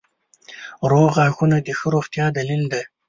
• روغ غاښونه د ښه روغتیا دلیل دی.